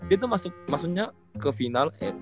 dia tuh maksudnya ke final